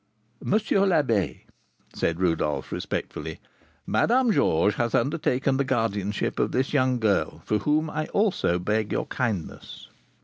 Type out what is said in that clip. "M. l'Abbé," said Rodolph, respectfully, "Madame Georges has undertaken the guardianship of this young girl, for whom I also beg your kindness."